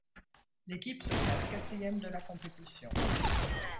L'équipe se classe quatrième de la compétition.